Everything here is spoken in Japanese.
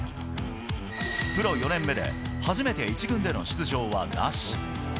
プロ４年目で初めて１軍での出場はなし。